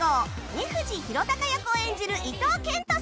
二藤宏嵩役を演じる伊東健人さん